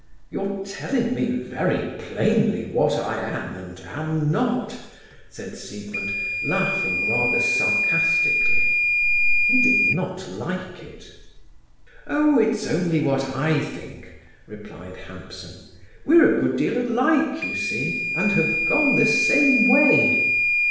"You're telling me very plainly what I am and am not," said Siegmund, laughing rather sarcastically. He did not like it. "Oh, it's only what I think," replied Hampson. "We're a good deal alike, you see, and have gone the same way.